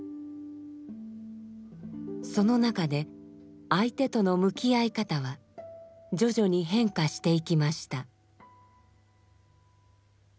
その中で相手との向き合い方は徐々に変化していきました。